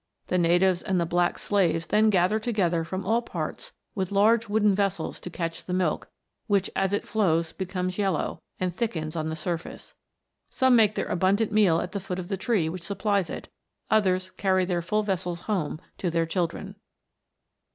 The natives and the black slaves then gather together from all parts with large wooden vessels to catch the milk, which as it flows becomes WONDERFUL PLANTS. 235 yellow, and thickens on the surface. Some make their abundant meal at the foot of the tree which supplies it; others carry their full vessels home to their children."